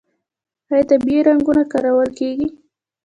آیا طبیعي رنګونه کارول کیږي؟